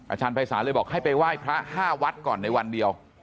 ภัยศาลเลยบอกให้ไปไหว้พระ๕วัดก่อนในวันเดียว